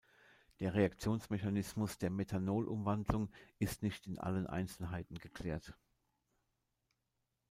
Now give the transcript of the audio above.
Der Reaktionsmechanismus der Methanol-Umwandlung ist nicht in allen Einzelheiten geklärt.